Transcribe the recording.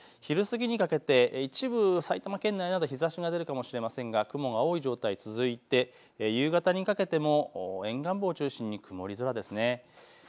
昼前にかけてはほとんどの地域、曇り空、昼過ぎにかけて一部埼玉県内など日ざしが出るかもしれませんが雲が多い状態続いて夕方にかけても沿岸部を中心に曇り空ですね。